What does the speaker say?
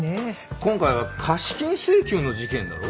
今回は貸金請求の事件だろ？